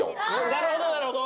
なるほどなるほど！